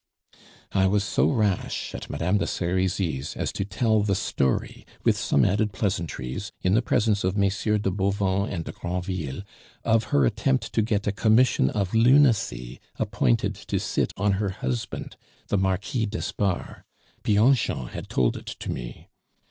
"I was so rash, at Madame de Serizy's, as to tell the story, with some added pleasantries, in the presence of MM. de Bauvan and de Granville, of her attempt to get a commission of lunacy appointed to sit on her husband, the Marquis d'Espard. Bianchon had told it to me.